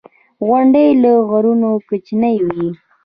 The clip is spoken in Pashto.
• غونډۍ له غرونو کوچنۍ وي.